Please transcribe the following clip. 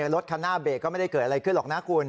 รถคันหน้าเบรกก็ไม่ได้เกิดอะไรขึ้นหรอกนะคุณ